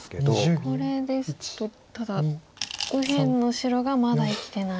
これですとただ右辺の白がまだ生きてない。